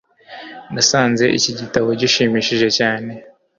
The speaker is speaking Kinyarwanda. nasanze iki gitabo gishimishije cyane